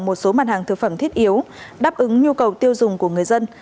một số mặt hàng thực phẩm thiết yếu đáp ứng nhu cầu tiêu dùng của người dân